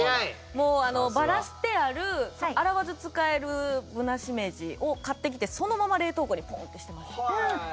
もうばらしてある洗わず使えるブナシメジを買ってきてそのまま冷凍庫にポーンってしてます。